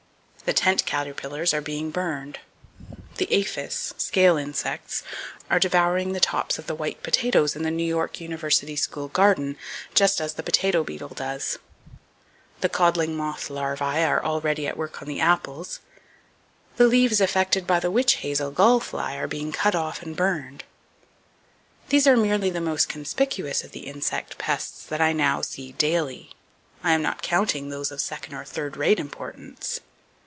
The tent caterpillars are being burned. The aphis (scale insects) are devouring the tops of the white potatoes in the New York University school garden, just as the potato beetle does. The codling moth larvae are already at work on the apples. The leaves affected by the witch hazel gall fly are being cut off and burned. These are merely the most conspicuous of the insect pests that I now see daily. I am not counting those of second or third rate importance.